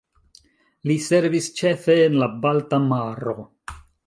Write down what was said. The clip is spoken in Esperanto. Li servis ĉefe en la Balta Maro.